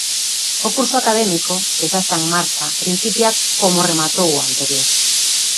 O curso académico que xa está en marcha principia como rematou o anterior.